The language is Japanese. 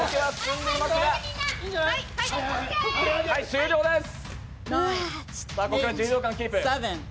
終了です。